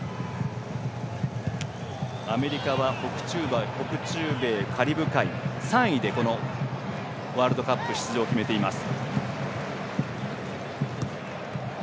アメリカは、北中米カリブ海３位でワールドカップ出場を決めています。